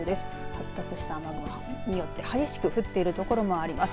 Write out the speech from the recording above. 発達した雨雲によって激しく降っている所もあります。